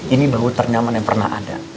ini bau ternyaman yang pernah ada